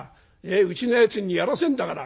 うちのやつにやらせんだから。